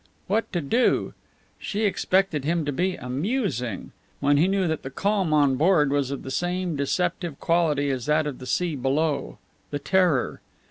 What to do? She expected him to be amusing! when he knew that the calm on board was of the same deceptive quality as that of the sea below, the terror!